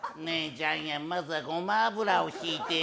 ジャイアン、まずはごま油をひいてよ。